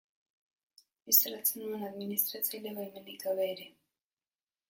Instalatzen nuen administratzaile baimenik gabe ere.